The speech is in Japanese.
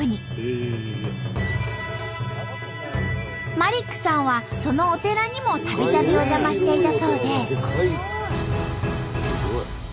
マリックさんはそのお寺にもたびたびお邪魔していたそうで。